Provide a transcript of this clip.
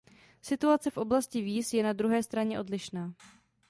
Situace v oblasti víz je na druhé straně odlišná.